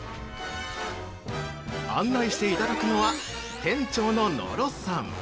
案内していただくのは店長の野呂さん。